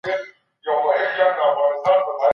ښاپېرۍ